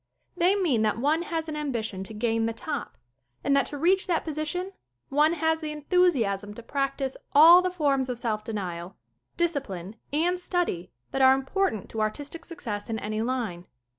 They mean that one has an ambition to gain the top, and that to reach that position one has the enthusiasm to practise all the forms of self denial, discipline and study that are important to artistic success in any line.